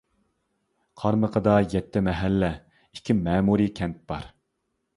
قارمىقىدا يەتتە مەھەللە، ئىككى مەمۇرىي كەنت بار.